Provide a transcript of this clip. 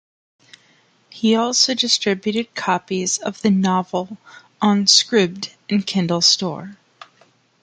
He also distributed copies of the novel on Scribd and Kindle Store.